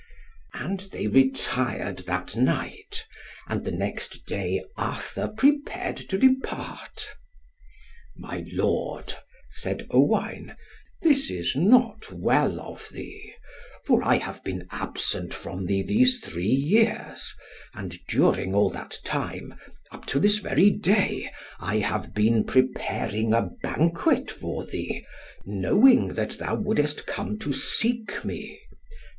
And they retired that night, and the next day Arthur prepared to depart. "My lord," said Owain, "this is not well of thee. For I have been absent from thee these three years, and during all that time, up to this very day, I have been preparing a banquet for thee, knowing that thou wouldest come to seek me.